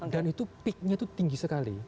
dan itu peaknya itu tinggi sekali